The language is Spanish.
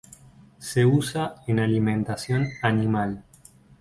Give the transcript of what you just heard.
Se usa en alimentación animal.